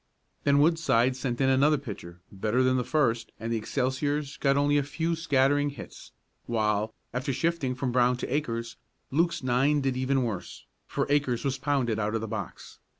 Then Woodside sent in another pitcher, better than the first, and the Excelsiors got only a few scattering hits, while, after shifting from Brown to Akers, Luke's nine did even worse, for Akers was pounded out of the box.